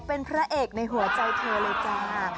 เป็นพระเอกในหัวใจเธอเลยจ้า